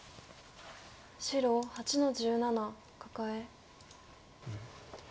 白８の十七カカエ。